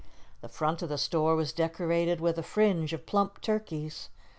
The front of the store was decorated with a fringe of plump turkeys.